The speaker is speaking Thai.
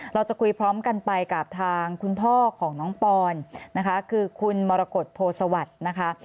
เราจะคุยพร้อมกันไปกับทางคุณพ่อของน้องปอนนะคะคือคุณมรกฏโพสวัสดิ์นะคะ